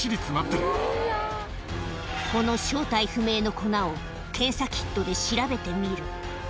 この正体不明の粉を検査キットで調べてみる。